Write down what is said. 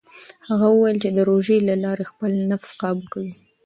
هغه وویل چې د روژې له لارې خپل نفس کابو کوي.